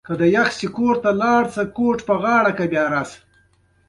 د وخـت پـه تېـرېدو لـه مـوږ څـخـه